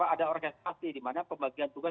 ada organisasi di mana pembagian tugas